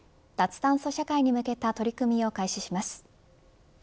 脱炭素社会に向けた取り組みを開始します。